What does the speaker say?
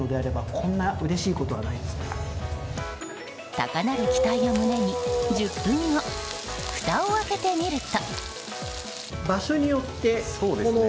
高鳴る期待を胸に、１０分後ふたを開けてみると。